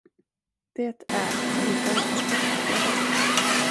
Det är tillgång och efterfrågan.